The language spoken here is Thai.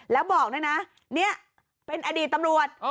แล้วบอกด้วยนะเนี่ยเป็นอดีตตำรวจ